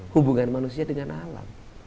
hubungan manusia dengan alam